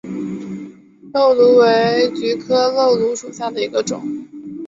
漏芦为菊科漏芦属下的一个种。